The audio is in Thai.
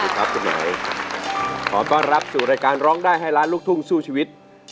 สวัสดีครับสวัสดีค่ะสวัสดีครับคุณใหม่ขอต้อนรับสู่รายการร้องได้ให้ล้านลูกทุ่งสู้ชีวิต